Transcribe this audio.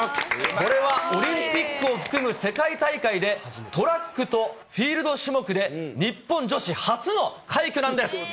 これはオリンピックを含む世界大会でトラックとフィールド種目で、日本女子初の快挙なんです。